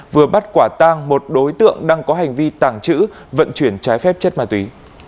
vừa bắt quả tang một đối tượng đang có hành vi tàng trữ vận chuyển trái phép chất ma túy